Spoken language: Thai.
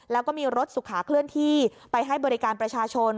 แล้วก็มีรถสุขาเคลื่อนที่ไปให้บริการประชาชน